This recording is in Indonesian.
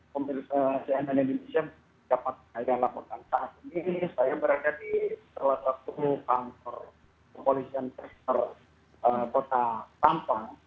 pemirsa sianan indonesia dapat saya laporkan saat ini saya berada di salah satu kantor polisi dan trusker kota sampang